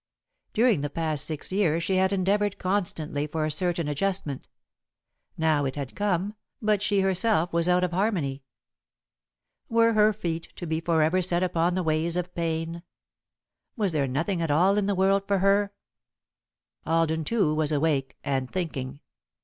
During the past six years she had endeavoured constantly for a certain adjustment. Now it had come, but she herself was out of harmony. Were her feet to be forever set upon the ways of pain? Was there nothing at all in the world for her? Alden, too, was awake and thinking.